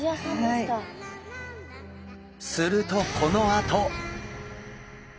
するとこのあと！